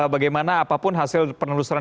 bagaimana apapun hasil penelusuran